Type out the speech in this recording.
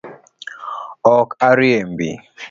Ok a riembi.